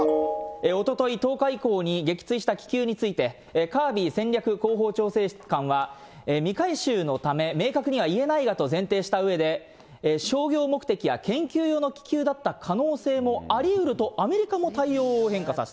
おととい、１０日以降に撃墜した気球について、カービー戦略広報調整官は、未回収のため明確には言えないがと前提したうえで、商業目的や研究用の気球だった可能性もありうるとアメリカも対応を変化させたと。